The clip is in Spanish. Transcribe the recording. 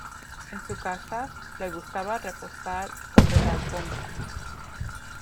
En su casa, le gustaba reposar sobre la alfombra.